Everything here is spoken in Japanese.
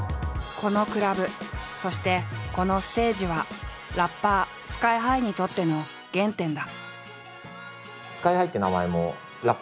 このクラブそしてこのステージはラッパーＳＫＹ−ＨＩにとっての原点だ。